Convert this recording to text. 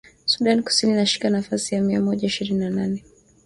Sudan Kusini inashika nafasi ya mia moja ishirini na nane